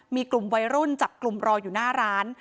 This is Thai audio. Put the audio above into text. มีกลุ่มวัยรุ่นจับกลุ่มรออยู่หน้าร้าน